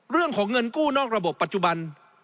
เรื่องของเงินกู้นอกระบบปัจจุบัน